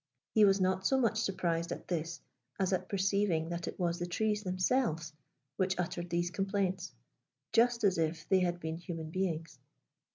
He was not so much surprised at this as at perceiving that it was the trees themselves which uttered these complaints, just as if they had been human beings.